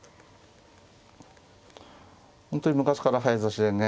本当に昔から早指しでね